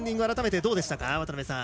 改めてどうでしたか。